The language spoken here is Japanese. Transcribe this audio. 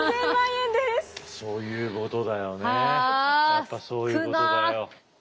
やっぱそういうことだよ。